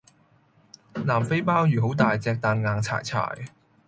南非鮑魚好大隻但硬柴柴